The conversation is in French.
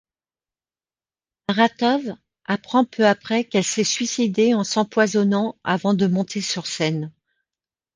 Aratov apprend peu après qu’elle s’est suicidée en s'empoisonnant avant de monter sur scène.